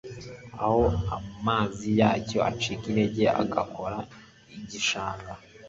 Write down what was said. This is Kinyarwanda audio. aho amazi yacyo acika intege agakora igishanga